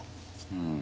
うん。